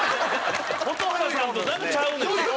蛍原さんとなんかちゃうねん！